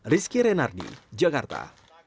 rizky renardi jakarta